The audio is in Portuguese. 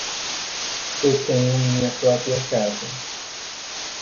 Eu tenho minha própria casa.